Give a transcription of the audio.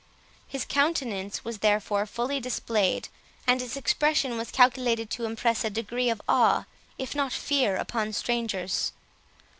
His countenance was therefore fully displayed, and its expression was calculated to impress a degree of awe, if not of fear, upon strangers.